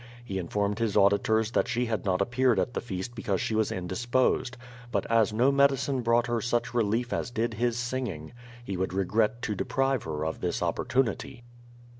He informed his auditors that she had not appenred at the feast because she was indisposed. But as no medidnc brought her such relief as did his singing, he would regret to deprive her of this opportunity.